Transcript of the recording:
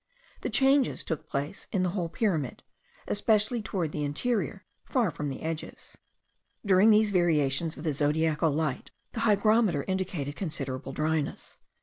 The changes took place in the whole pyramid, especially toward the interior, far from the edges. During these variations of the zodiacal light, the hygrometer indicated considerable dryness.